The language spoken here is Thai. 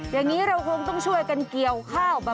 อย่างนี้เราคงต้องช่วยกันเกี่ยวข้าว